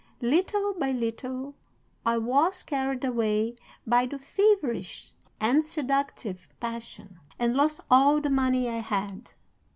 Little by little I was carried away by the feverish and seductive passion, and lost all the money I had.